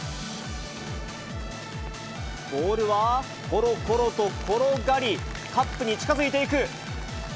ボールはころころと転がり、カップに近づいていく。